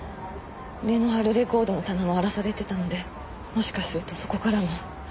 値の張るレコードの棚も荒らされてたのでもしかするとそこからも。